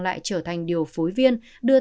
lại trở thành điều phối viên đưa